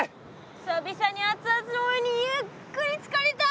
久々に熱々のお湯にゆっくりつかりたい！